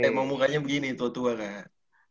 emang murahnya begini tua tua kak